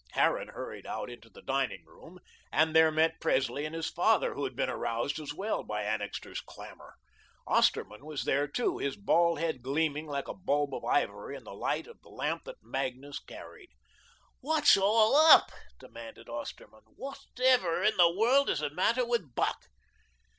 Harran hurried out into the dining room and there met Presley and his father, who had been aroused as well by Annixter's clamour. Osterman was there, too, his bald head gleaming like a bulb of ivory in the light of the lamp that Magnus carried. "What's all up?" demanded Osterman. "Whatever in the world is the matter with Buck?"